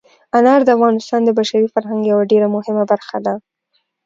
انار د افغانستان د بشري فرهنګ یوه ډېره مهمه برخه ده.